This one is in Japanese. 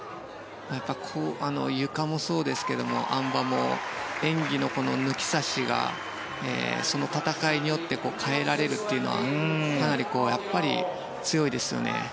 ゆかもそうですがあん馬も演技の抜き差しがその戦いによって変えられるというのはやっぱり強いですよね。